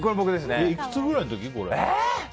いくつくらいの時？